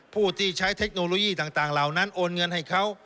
ผู้ที่ใช้เทคโนโลยีต่างเหล่านั้นโอนเงินให้เขา